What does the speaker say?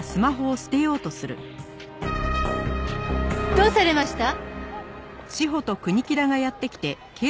どうされました？